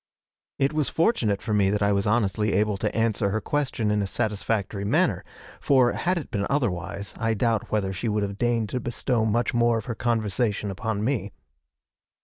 It was fortunate for me that I was honestly able to answer her question in a satisfactory manner, for, had it been otherwise, I doubt whether she would have deigned to bestow much more of her conversation upon me.